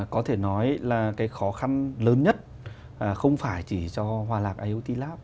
có thể nói là khó khăn lớn nhất không phải chỉ cho hoa lạc iot lab